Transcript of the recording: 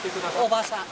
おばさん。